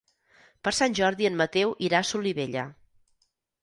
Per Sant Jordi en Mateu irà a Solivella.